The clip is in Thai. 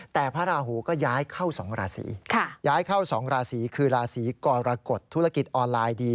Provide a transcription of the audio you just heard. แต่พระราหูก็ย้ายเข้า๒ราศีคือราศีกรกฎธุรกิจออนไลน์ดี